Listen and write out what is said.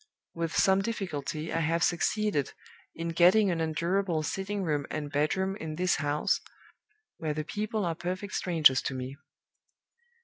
"With some difficulty I have succeeded in getting an endurable sitting room and bedroom in this house, where the people are perfect strangers to me.